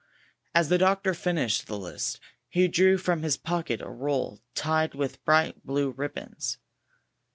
As the doctor finished the list, he drew from his pocket a roll tied with bright blue rib bons.